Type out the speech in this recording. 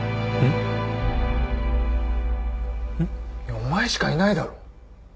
お前しかいないだろ。